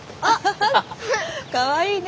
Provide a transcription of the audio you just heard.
かわいいね。